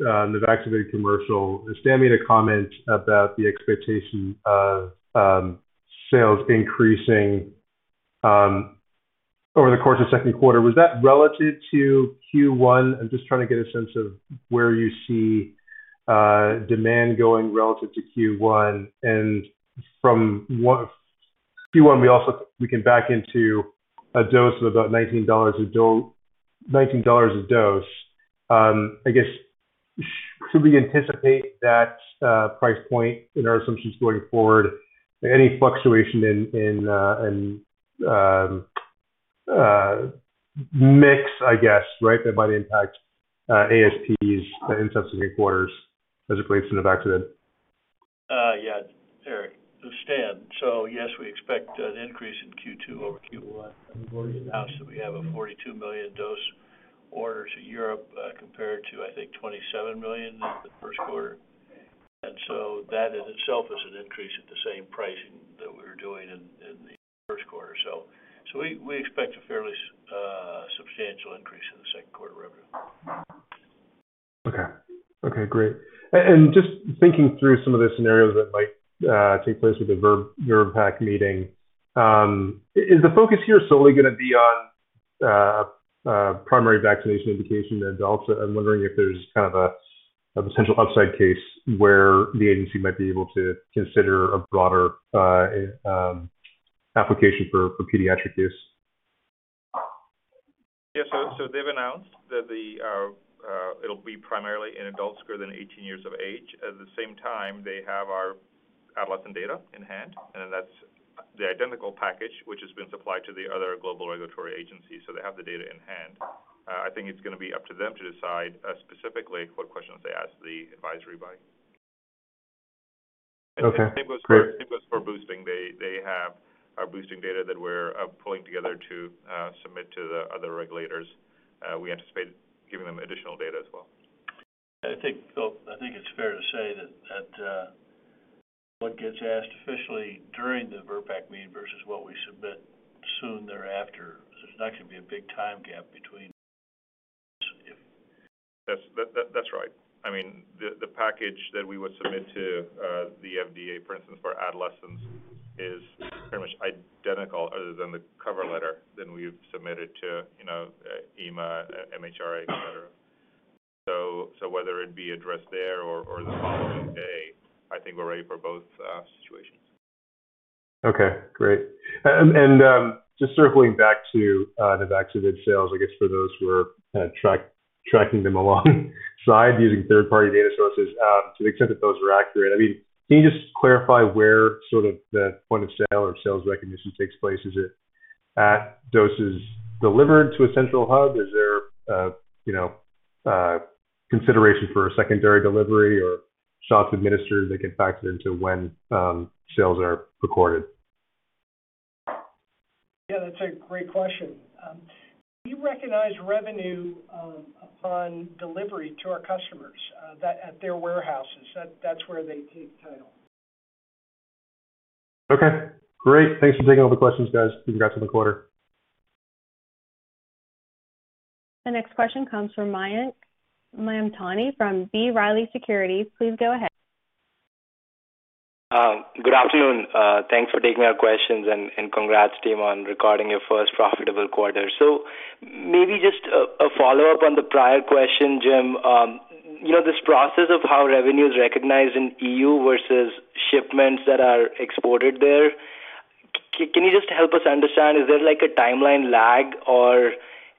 the Nuvaxovid commercial. Stan made a comment about the expectation of sales increasing over the course of second quarter. Was that relative to Q1? I'm just trying to get a sense of where you see demand going relative to Q1. From Q1 we can back into a dose of about $19 a dose. I guess, should we anticipate that price point in our assumptions going forward? Any fluctuation in mix, I guess, right, that might impact ASPs in subsequent quarters as it relates to the Nuvaxovid? Yeah, Eric. Stan. Yes, we expect an increase in Q2 over Q1. We've already announced that we have a 42 million dose orders in Europe, compared to, I think, 27 million in the first quarter. That in itself is an increase at the same pricing that we were doing in the first quarter. We expect a fairly substantial increase in the second quarter revenue. Okay. Okay, great. Just thinking through some of the scenarios that might take place with the VRBPAC meeting, is the focus here solely gonna be on primary vaccination indication in adults? I'm wondering if there's kind of a potential upside case where the agency might be able to consider a broader application for pediatric use. They've announced that it'll be primarily in adults greater than 18 years of age. At the same time, they have our adolescent data in hand, and that's. The identical package, which has been supplied to the other global regulatory agencies, so they have the data in hand. I think it's gonna be up to them to decide, specifically what questions they ask the advisory body. Okay, great. Same goes for boosting. They have our boosting data that we're pulling together to submit to the other regulators. We anticipate giving them additional data as well. I think, Filip, I think it's fair to say that what gets asked officially during the VRBPAC meeting versus what we submit soon thereafter, there's not gonna be a big time gap between if- That's right. I mean, the package that we would submit to the FDA, for instance, for adolescents is pretty much identical other than the cover letter to what we've submitted to, you know, EMA, MHRA, et cetera. Whether it be addressed there or the following day, I think we're ready for both situations. Okay, great. Just circling back to the vaccine sales, I guess for those who are tracking them alongside using third-party data sources, to the extent that those are accurate. I mean, can you just clarify where sort of the point of sale or sales recognition takes place? Is it at doses delivered to a central hub? Is there a, you know, consideration for a secondary delivery or shots administered that get factored into when sales are recorded? Yeah, that's a great question. We recognize revenue on delivery to our customers that at their warehouses. That's where they take title. Okay, great. Thanks for taking all the questions, guys. Congrats on the quarter. The next question comes from Mayank Mamtani from B. Riley Securities. Please go ahead. Good afternoon. Thanks for taking our questions and congrats, team, on recording your first profitable quarter. Maybe just a follow-up on the prior question, Jim. You know, this process of how revenue is recognized in EU versus shipments that are exported there, can you just help us understand, is there like a timeline lag or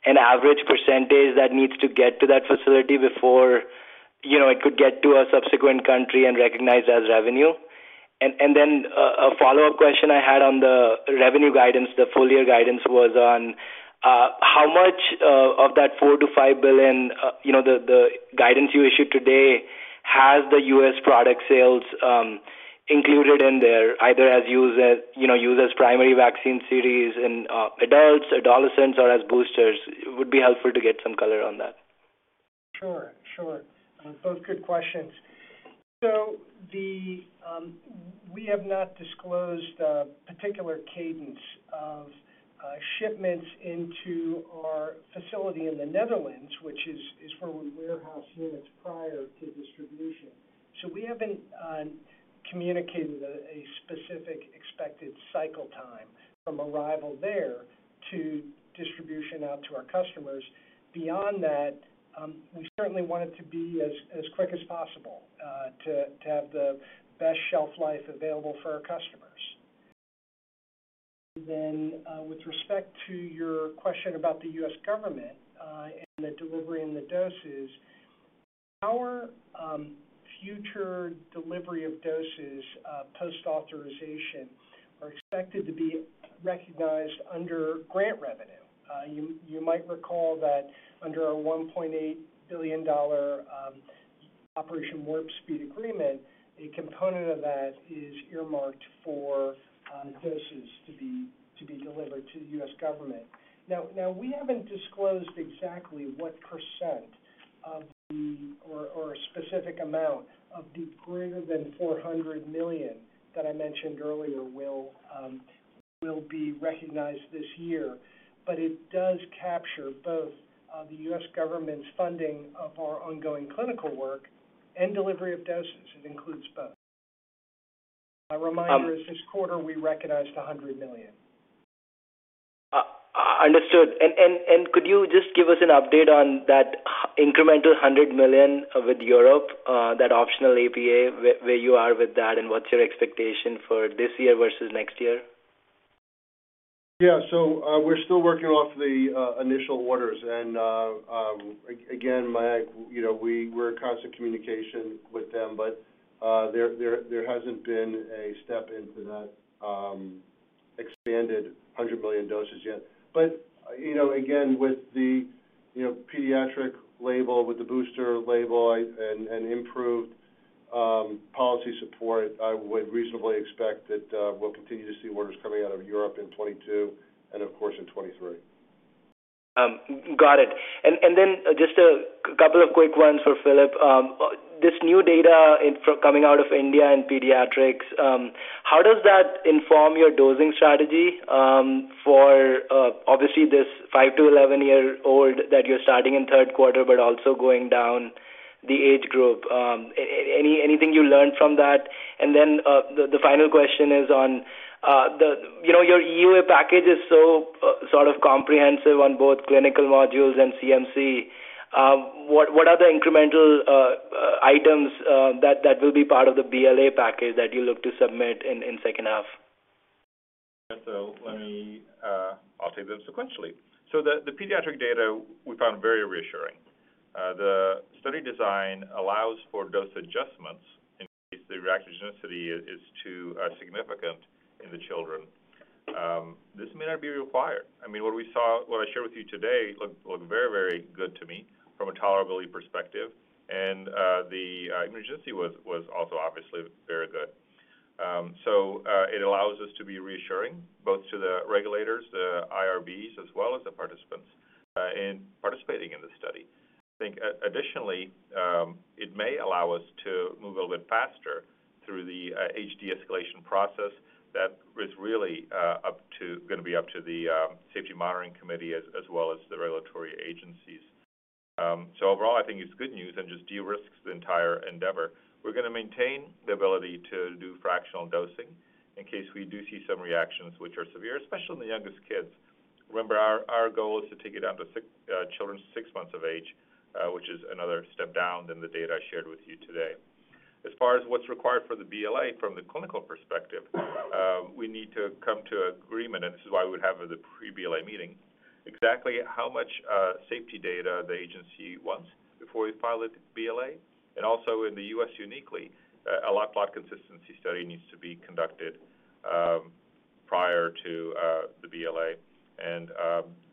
an average percentage that needs to get to that facility before, you know, it could get to a subsequent country and recognized as revenue? Then a follow-up question I had on the revenue guidance, the full year guidance was on how much of that $4 billion-$5 billion, you know, the guidance you issued today has the U.S. product sales included in there either as used as, you know, used as primary vaccine series in adults, adolescents or as boosters? It would be helpful to get some color on that. Sure, sure. Both good questions. We have not disclosed a particular cadence of shipments into our facility in the Netherlands, which is where we warehouse units prior to distribution. We haven't communicated a specific expected cycle time from arrival there to distribution out to our customers. Beyond that, we certainly want it to be as quick as possible to have the best shelf life available for our customers. With respect to your question about the U.S. government and the delivery and the doses, our future delivery of doses post-authorization are expected to be recognized under grant revenue. You might recall that under our $1.8 billion Operation Warp Speed agreement, a component of that is earmarked for doses to be delivered to the U.S. government. Now we haven't disclosed exactly what percent or a specific amount of the greater than $400 million that I mentioned earlier will be recognized this year. It does capture both, the U.S. government's funding of our ongoing clinical work and delivery of doses. It includes both. A reminder is this quarter we recognized $100 million. Understood. Could you just give us an update on that incremental $100 million with Europe, that optional APA, where you are with that and what's your expectation for this year versus next year? Yeah. We're still working off the initial orders. Again, Mayank, you know, we're in constant communication with them, but there hasn't been a step into that expanded 100 million doses yet. You know, again, with the pediatric label, with the booster label and improved policy support, I would reasonably expect that we'll continue to see orders coming out of Europe in 2022 and of course in 2023. Got it. Then just a couple of quick ones for Filip. This new data coming out of India and pediatrics, how does that inform your dosing strategy for obviously this five to 11-year-old that you're starting in third quarter, but also going down the age group? Anything you learned from that? Then the final question is on. You know, your EU package is so sort of comprehensive on both clinical modules and CMC. What are the incremental items that will be part of the BLA package that you look to submit in second half? Let me, I'll take them sequentially. The pediatric data we found very reassuring. The study design allows for dose adjustments in case the reactogenicity is too significant in the children. This may not be required. I mean, what I shared with you today looked very, very good to me from a tolerability perspective. The efficacy was also obviously very good. It allows us to be reassuring both to the regulators, the IRBs, as well as the participants in participating in the study. I think additionally, it may allow us to move a little bit faster through the dose escalation process that is really up to the safety monitoring committee as well as the regulatory agencies. Overall, I think it's good news and just de-risks the entire endeavor. We're gonna maintain the ability to do fractional dosing in case we do see some reactions which are severe, especially in the youngest kids. Remember our goal is to take it down to six children six months of age, which is another step down than the data I shared with you today. As far as what's required for the BLA from the clinical perspective, we need to come to agreement, and this is why we have the pre-BLA meeting, exactly how much safety data the agency wants before we file it BLA. Also in the U.S. uniquely, a lot consistency study needs to be conducted prior to the BLA.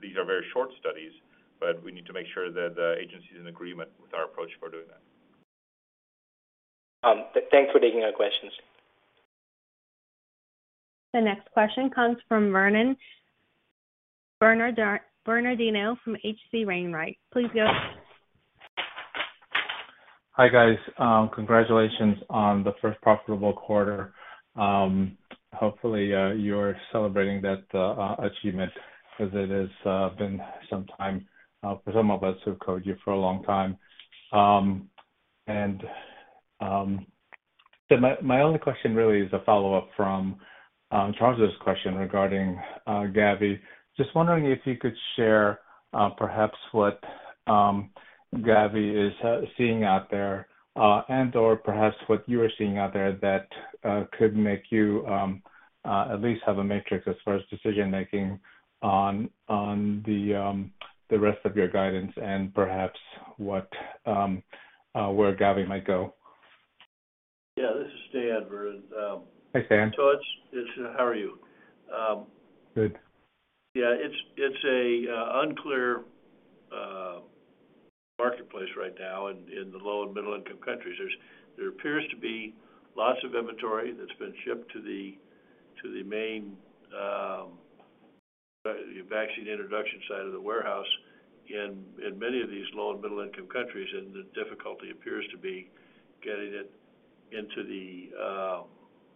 These are very short studies, but we need to make sure that the agency is in agreement with our approach for doing that. Thanks for taking our questions. The next question comes from Vernon Bernardino from H.C. Wainwright. Please go ahead. Hi, guys. Congratulations on the first profitable quarter. Hopefully, you're celebrating that achievement because it has been some time for some of us who've known you for a long time. My only question really is a follow-up from Charles's question regarding Gavi. Just wondering if you could share perhaps what Gavi is seeing out there and/or perhaps what you are seeing out there that could make you at least have a Matrix-M as far as decision-making on the rest of your guidance and perhaps where Gavi might go. Yeah, this is Stan Erck, Vernon Bernardino. Hi, Stan. How are you? Good? Yeah. It's an unclear marketplace right now in the low and middle-income countries. There appears to be lots of inventory that's been shipped to the main vaccine introduction site of the warehouse in many of these low and middle-income countries, and the difficulty appears to be getting it into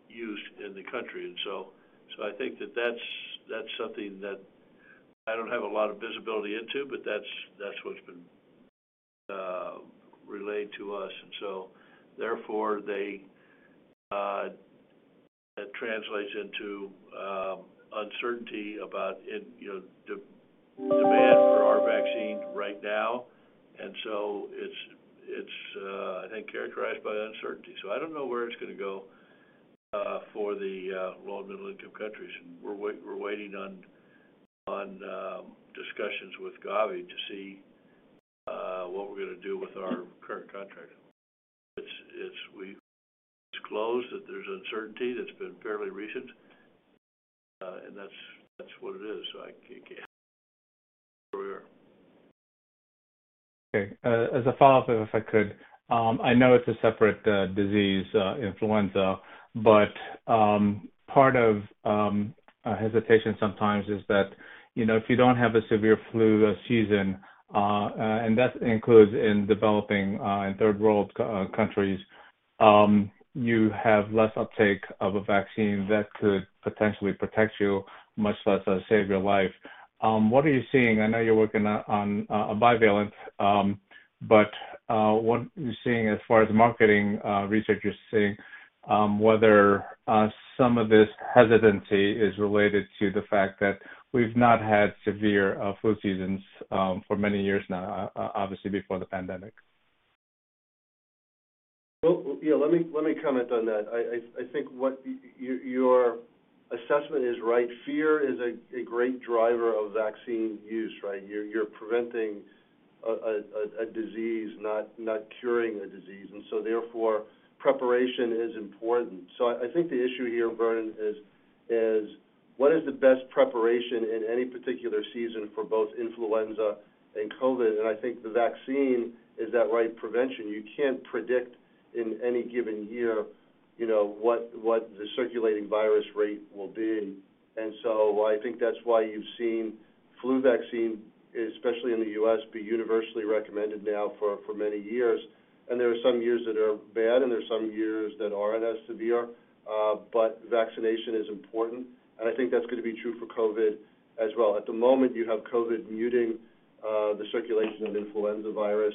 use in the country. I think that's something that I don't have a lot of visibility into, but that's what's been relayed to us. Therefore, that translates into uncertainty about, you know, demand for our vaccine right now. It's, I think, characterized by uncertainty. I don't know where it's gonna go for the low and middle-income countries. We're waiting on discussions with Gavi to see what we're gonna do with our current contract. We disclosed that there's uncertainty that's been fairly recent, and that's what it is. I can't. Okay. As a follow-up, if I could. I know it's a separate disease, influenza, but part of a hesitation sometimes is that, you know, if you don't have a severe flu season, and that includes in developing, in third world countries, you have less uptake of a vaccine that could potentially protect you, much less save your life. What are you seeing? I know you're working on a bivalent, but what are you seeing as far as marketing research is seeing, whether some of this hesitancy is related to the fact that we've not had severe flu seasons for many years now, obviously before the pandemic. Well, yeah, let me comment on that. I think what your assessment is right. Fear is a great driver of vaccine use, right? You're preventing a disease not curing a disease, and so therefore preparation is important. So I think the issue here, Vernon, is what is the best preparation in any particular season for both influenza and COVID? I think the vaccine is that right prevention. You can't predict in any given year, you know, what the circulating virus rate will be. I think that's why you've seen flu vaccine, especially in the U.S., be universally recommended now for many years. There are some years that are bad and there's some years that aren't as severe, but vaccination is important, and I think that's gonna be true for COVID as well. At the moment, you have COVID muting the circulation of influenza virus,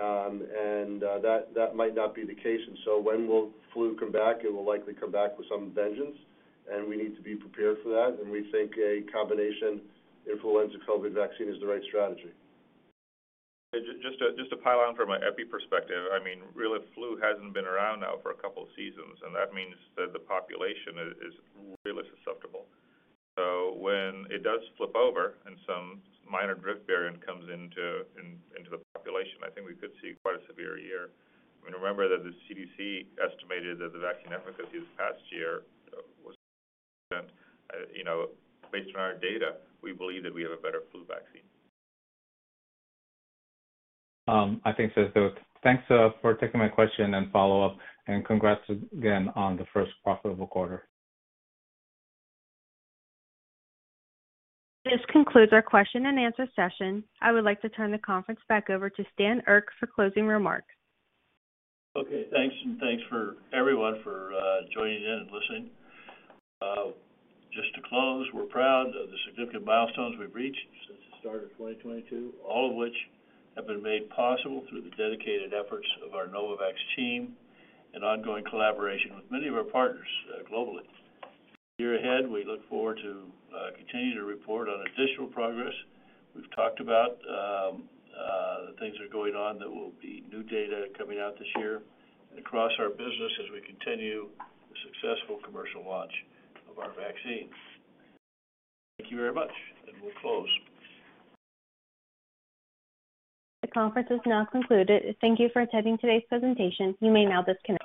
and that might not be the case. When will flu come back? It will likely come back with some vengeance, and we need to be prepared for that. We think a combination influenza/COVID vaccine is the right strategy. Just to pile on from an epi perspective, I mean, really flu hasn't been around now for a couple of seasons, and that means that the population is really susceptible. When it does flip over and some minor drift variant comes into the population, I think we could see quite a severe year. I mean, remember that the CDC estimated that the vaccine efficacy this past year was, you know, based on our data, we believe that we have a better flu vaccine. I think so. Thanks for taking my question and follow-up, and congrats again on the first profitable quarter. This concludes our question and answer session. I would like to turn the conference back over to Stan Erck for closing remarks. Okay. Thanks, and thanks for everyone for joining in and listening. Just to close, we're proud of the significant milestones we've reached since the start of 2022, all of which have been made possible through the dedicated efforts of our Novavax team and ongoing collaboration with many of our partners globally. Year ahead, we look forward to continuing to report on additional progress. We've talked about the things that are going on that will be new data coming out this year and across our business as we continue the successful commercial launch of our vaccine. Thank you very much, and we'll close. The conference is now concluded. Thank you for attending today's presentation. You may now disconnect.